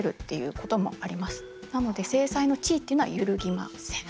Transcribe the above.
なので正妻の地位っていうのは揺るぎません。